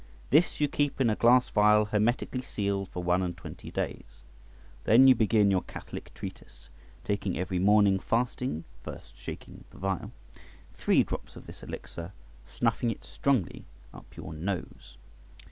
This you keep in a glass vial hermetically sealed for one and twenty days. Then you begin your catholic treatise, taking every morning fasting (first shaking the vial) three drops of this elixir, snuffing it strongly up your nose.